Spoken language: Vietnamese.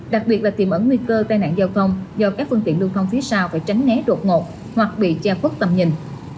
đặc biệt là tiềm ẩn nguy cơ tai nạn giao thông do các phương tiện lưu thông phía sau phải tránh ngé đột ngột hoặc bị che khuất tầm nhìn